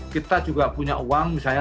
kita juga punya uang misalnya